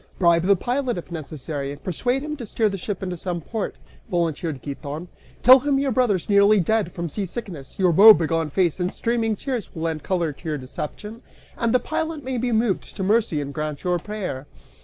"Bribe the pilot, if necessary, and persuade him to steer the ship into some port," volunteered Giton; "tell him your brother's nearly dead from seasickness: your woebegone face and streaming tears will lend color to your deception, and the pilot may be moved to mercy and grant your prayer."